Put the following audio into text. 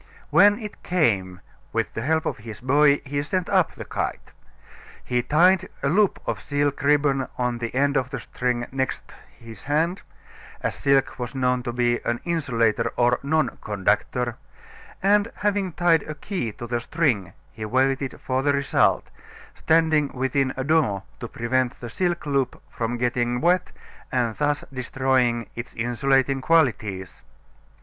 When it came, with the help of his boy, he sent up the kite. He tied a loop of silk ribbon on the end of the string next his hand as silk was known to be an insulator or non conductor and having tied a key to the string he waited the result, standing within a door to prevent the silk loop from getting wet and thus destroying its insulating qualities.